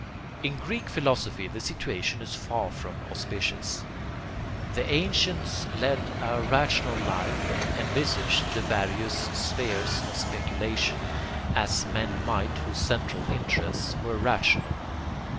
] In Greek philosophy the situation is far more auspicious. The ancients led a rational life and envisaged the various spheres of speculation as men might whose central interests were rational.